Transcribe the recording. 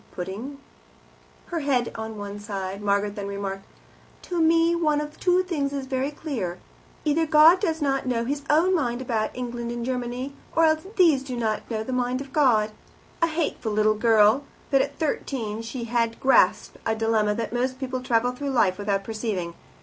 Putting her head on one side, Margaret then remarked, "To me one of two things is very clear; either God does not know his own mind about England and Germany, or else these do not know the mind of God." A hateful little girl, but at thirteen she had grasped a dilemma that most people travel through life without perceiving.